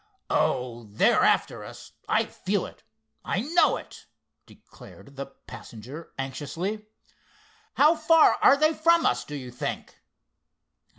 "Oh, they're after us—I feel it—I know it!" declared the passenger anxiously. "How far are they from us, do you think?"